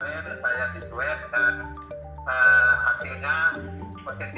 saya disuai dengan hasilnya positif